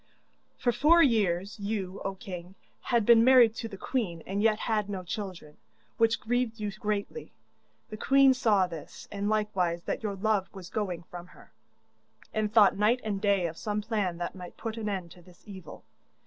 'For four years, you, O king, had been married to the queen and yet had no children, which grieved you greatly. The queen saw this, and likewise that your love was going from her, and thought night and day of some plan that might put an end to this evil.